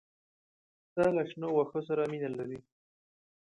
پسه له شنو واښو سره مینه لري.